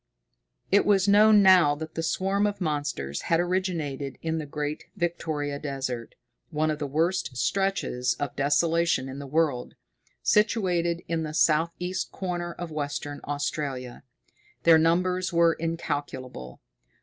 It was known now that the swarm of monsters had originated in the Great Victoria Desert, one of the worst stretches of desolation in the world, situated in the south east corner of Western Australia. Their numbers were incalculable.